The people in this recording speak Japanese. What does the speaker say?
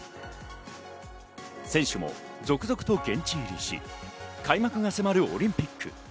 選手も続々と現地入りし、開幕が迫るオリンピック。